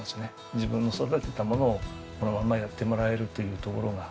自分の育てたものをこのまんまやってもらえるというところが。